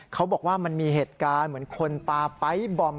เขาบอกว่ามันมีเหตุการณ์เหมือนคนปลาไป๊บอม